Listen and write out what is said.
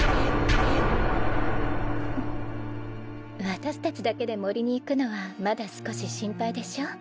私達だけで森に行くのはまだ少し心配でしょう？